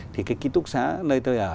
thì cái ký túc xá nơi tôi ở